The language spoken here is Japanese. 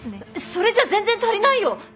それじゃ全然足りないよ。